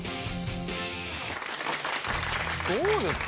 どうですか？